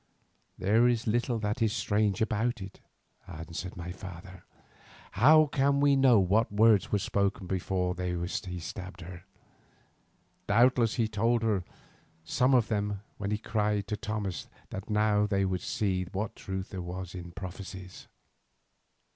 "There is little that is strange about it," answered my father. "How can we know what words were spoken between them before he stabbed her? Doubtless he told of some of them when he cried to Thomas that now they would see what truth there was in prophecies.